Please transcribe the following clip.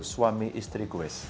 suami istri kues